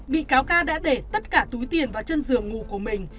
bị cáo ca đã để tất cả túi tiền vào chân giường ngủ của mình